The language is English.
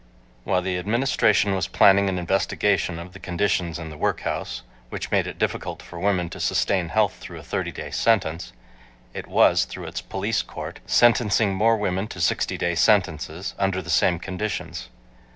While the Administration was planning an investigation of the conditions in the workhouse, which made it difficult for women to sustain health through a thirty day sentence, it was, through its police court, sentencing more women to sixty day sentences, under the same conditions.